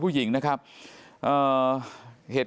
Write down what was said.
พอดีเลย